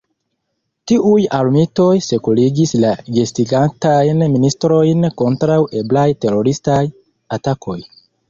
Tiuj armitoj sekurigis la gastigatajn ministrojn kontraŭ eblaj teroristaj atakoj!